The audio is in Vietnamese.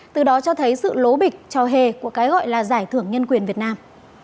từ đó cho thấy sự lố bịch trò hề của cái gọi là giải thưởng nhân quyền việt nam